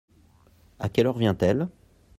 A quelle heure vient-elle ?